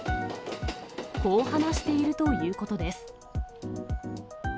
こう話しているということです。